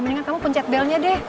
mendingan kamu pencet bellnya deh